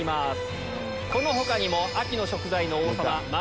この他にも秋の食材の王様。